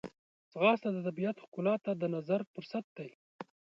ځغاسته د طبیعت ښکلا ته د نظر فرصت دی